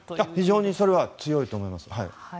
非常に強いと思います。